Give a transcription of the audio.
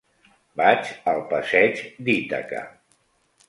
Vaig al passeig d'Ítaca.